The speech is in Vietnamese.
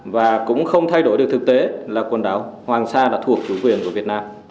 và cũng không thay đổi được thực tế là quần đảo hoàng sa là thuộc chủ quyền của việt nam